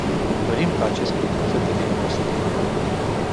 Dorim ca acest lucru să devină posibil.